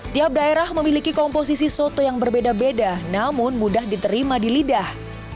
tiap daerah memiliki komposisi soto yang berbeda beda namun mudah diterima di lidah